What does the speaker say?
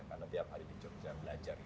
karena tiap hari di jogja belajar gitu